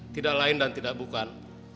tidak lain dan tidak bukan